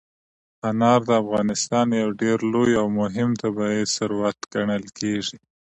انار د افغانستان یو ډېر لوی او مهم طبعي ثروت ګڼل کېږي.